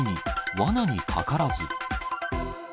わなにかからず。